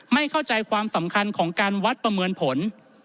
ไม่เข้าใจความสำคัญของการวัดประเมินผล